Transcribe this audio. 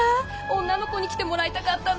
女の子に来てもらいたかったの！